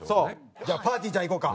じゃあぱーてぃーちゃんいこうか。